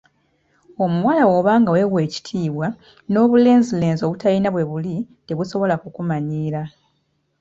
Omuwala bw'oba nga weewa ekitiibwa, n'obulenzilenzi obutalina bwe buli tebusola kukumanyiira.